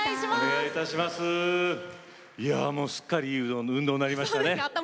すっかりいい運動になりましたね。